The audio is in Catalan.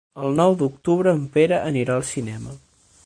El nou d'octubre en Pere anirà al cinema.